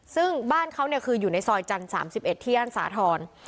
ซึ่งบ้านเขาเนี่ยคืออยู่ในซอยจันทร์สามสิบเอ็ดที่อ้านสาธรณ์